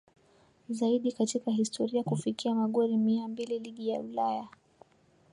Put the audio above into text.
Zaidi katika historia kufikia magori mia mbili ligi ya Ulaya